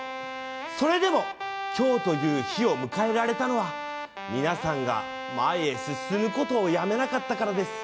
それでも今日という日を迎えられたのは皆さんが前へ進むことをやめなかったからです